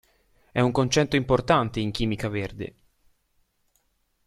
È un concetto importante in chimica verde.